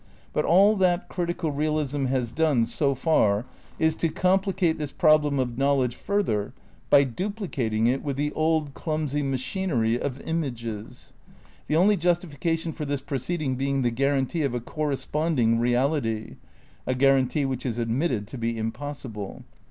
But all that critical realism has done, so far, is to complicate this problem of knowledge fur ther by duplicating it with the old, clumsy machinery of "images"; the only justification for this proceed ing being the guarantee of a corresponding reality — a guarantee which is admitted to be impossible.